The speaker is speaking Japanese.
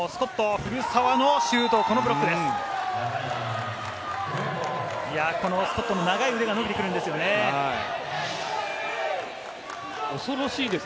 古澤のシュート、このブロックです。